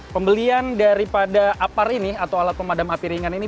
pembelian daripada apar ini atau alat pemadam api ringan ini